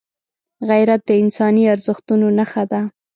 غیرت د انساني ارزښتونو نښه ده